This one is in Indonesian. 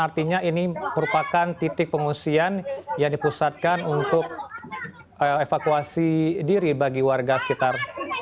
artinya ini merupakan titik pengungsian yang dipusatkan untuk evakuasi diri bagi warga sekitar